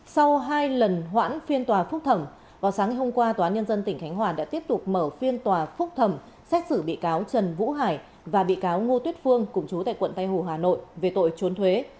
sau hai lần hoãn phiên tòa phúc thẩm vào sáng hôm qua tnth đã tiếp tục mở phiên tòa phúc thẩm xét xử bị cáo trần vũ hải và bị cáo ngô tuyết phương cùng chú tại quận tây hồ hà nội về tội trốn thuế